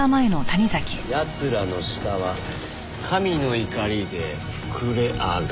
「奴らの舌は神の怒りで膨れ上がる」。